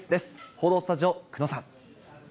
報道スタジオ、久野さん。